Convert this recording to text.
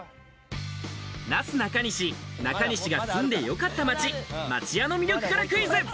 なすなかにし・中西が住んでよかった街、町屋の魅力からクイズ。